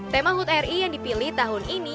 tema hut ri yang dipilih tahun ini